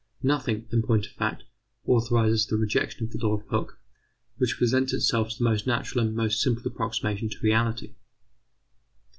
Nothing, in point of fact, authorises the rejection of the law of Hoocke, which presents itself as the most natural and most simple approximation to reality.